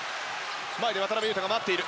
前で渡邊雄太が待っている。